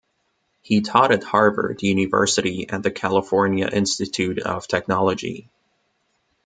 He taught at Harvard University and the California Institute of Technology.